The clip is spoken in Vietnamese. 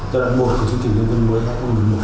giai đoạn một của thiên tiến nông thôn mới